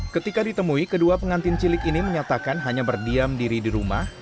ketika ditemui kedua pengantin cilik ini menyatakan hanya berdiam diri di rumah